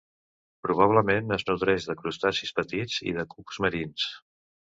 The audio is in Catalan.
Probablement es nodreix de crustacis petits i de cucs marins.